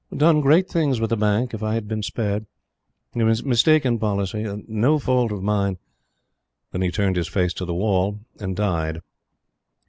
done great things with the Bank if I had been spared.... mistaken policy.... no fault of mine." Then he turned his face to the wall and died.